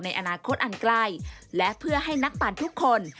ในอนาคตอันใกล้และเพื่อให้นักปั่นทุกคน